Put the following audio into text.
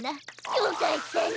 よかったね！